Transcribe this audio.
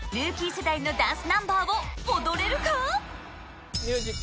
世代のダンスナンバーを踊れるか？